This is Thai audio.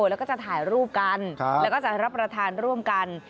แล้วก็จะถ่ายรูปกันแล้วก็จะรับประทานร่วมกัน